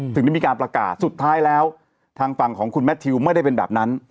ถึงได้มีการประกาศสุดท้ายแล้วทางฝั่งของคุณแมททิวไม่ได้เป็นแบบนั้น